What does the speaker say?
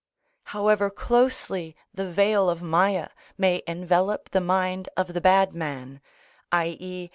However closely the veil of Mâyâ may envelop the mind of the bad man, _i.e.